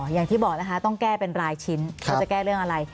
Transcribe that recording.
อย่างที่บอกนะคะต้องแก้เป็นรายชิ้นเขาจะแก้เรื่องอะไร